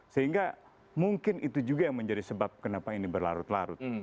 sehingga mungkin itu juga yang menjadi sebab kenapa ini berlarut larut